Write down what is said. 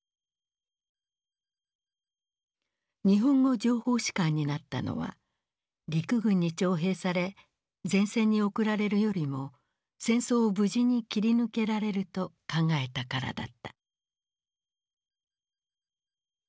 日本語情報士官になったのは陸軍に徴兵され前線に送られるよりも戦争を無事に切り抜けられると考えたからだった。